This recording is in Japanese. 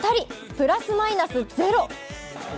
プラスマイナス・ゼロ。